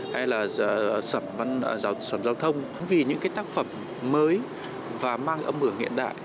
hay là sẩm giao thông vì những tác phẩm mới và mang ấm ửa hiện đại